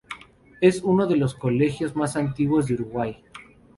Es uno de los colegios más antiguos de Uruguay.